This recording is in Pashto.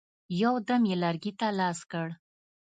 یو دم یې لرګي ته لاس کړ.